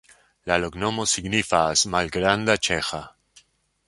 La loknomo signifas: malgranda-ĉeĥa.